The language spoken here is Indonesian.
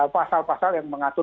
pasal pasal yang mengatur